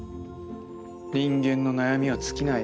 人間の悩みは尽きない。